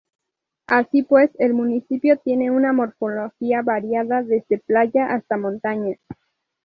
Así pues, el municipio tiene una morfología variada, desde playa hasta montaña.